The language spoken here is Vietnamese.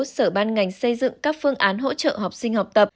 sở ban ngành xây dựng các phương án hỗ trợ học sinh học tập